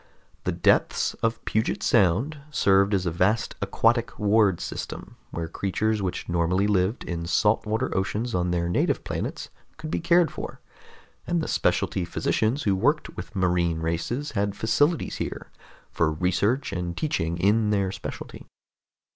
The depths of Puget Sound served as a vast aquatic ward system where creatures which normally lived in salt water oceans on their native planets could be cared for, and the specialty physicians who worked with marine races had facilities here for research and teaching in their specialty.